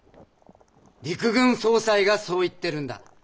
陸軍総裁がそう言ってるんだ。